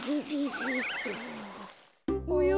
おや？